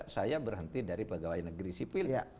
saya berhenti dari pegawai negeri sipil